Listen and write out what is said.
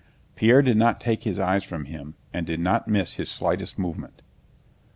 Pierre did not take his eyes from him and did not miss his slightest movement.